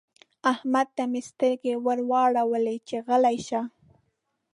احمد ته مې سترګې ور واړولې چې غلی شه.